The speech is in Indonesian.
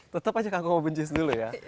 tetep aja kangkung sama buncis dulu ya